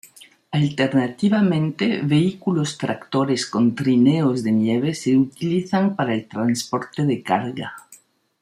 Alternativamente, vehículos tractores con trineos de nieve se utilizan para el transporte de carga.